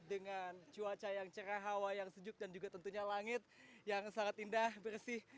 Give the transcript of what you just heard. dengan cuaca yang cerah hawa yang sejuk dan juga tentunya langit yang sangat indah bersih